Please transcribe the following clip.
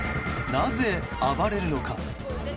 なぜ、暴れるのか。